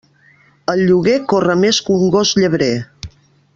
El lloguer corre més que un gos llebrer.